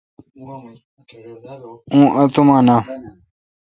اون اتوما نام۔